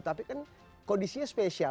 tapi kan kondisinya spesial